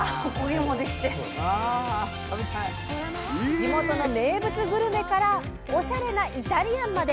地元の名物グルメからおしゃれなイタリアンまで！